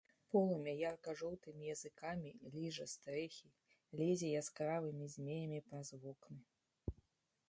Полымя ярка-жоўтымі языкамі ліжа стрэхі, лезе яскравымі змеямі праз вокны.